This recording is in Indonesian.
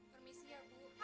permisi ya bu